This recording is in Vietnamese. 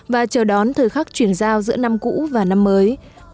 và chờ đón thời khắc chuyển giao giữa năm cũ và năm mới